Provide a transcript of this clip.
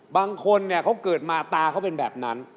บางคนเนี่ยเขาเกิดมาตาเขาเป็นแบบนั้น